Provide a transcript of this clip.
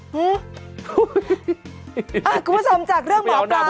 คุณผู้ชมจากเรื่องหมอปลา